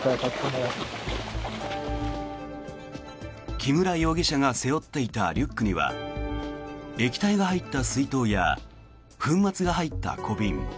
木村容疑者が背負っていたリュックには液体が入った水筒や粉末が入った小瓶